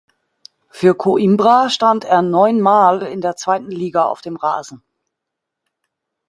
Für Coimbra stand er neunmal in der zweiten Liga auf dem Rasen.